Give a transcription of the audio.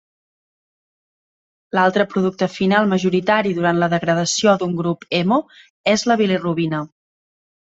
L'altre producte final majoritari durant la degradació d'un grup hemo és la bilirubina.